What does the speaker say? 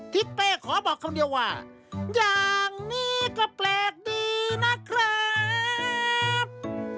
ทิศเป้ขอบอกคำเดียวว่าอย่างนี้ก็แปลกดีนะครับ